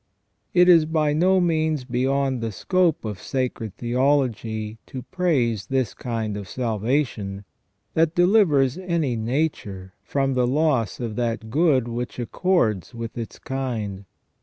... It is by no means beyond the scope of sacred theology to praise this kind of salvation, that delivers any nature from the loss of that good which accords with its kind.